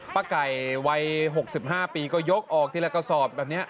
ไก่วัย๖๕ปีก็ยกออกทีละกระสอบแบบนี้